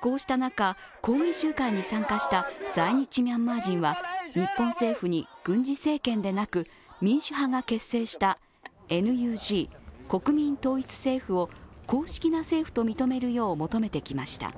こうした中、抗議集会に参加した在日ミャンマー人は日本政府に、軍事政権でなく民主派が結成したＮＵＧ＝国民統一政府を公式な政府と認めるよう求めてきました。